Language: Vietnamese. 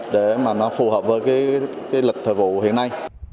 để mà nó phù hợp với cái lịch thời vụ hiện nay